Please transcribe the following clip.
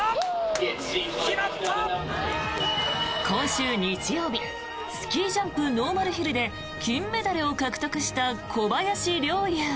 今週日曜日スキージャンプノーマルヒルで金メダルを獲得した小林陵侑。